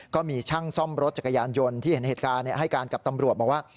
ก็มีช่างซ่อมรถจักรยานยนต์ที่เห็นเหตุการณ์ให้การกับตำรวจบอกว่า